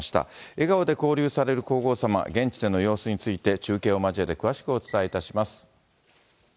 笑顔で交流される皇后さま、現地での様子について、中継を交えて詳しくお伝えします。